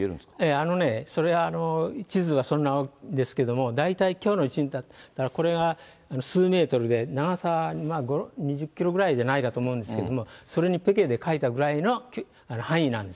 あのね、それは地図はそんなですけども、大体、きょうの地震だったら、これは数メートルで、長さ２０キロぐらいじゃないかと思うんですけれども、それにぺけで描いたぐらいの範囲なんですよ。